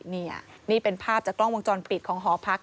นี่นี่เป็นภาพจากกล้องวงจรปิดของหอพัก